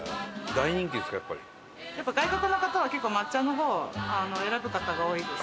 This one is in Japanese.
店員：やっぱり、外国の方は結構、抹茶の方を選ぶ方が多いです。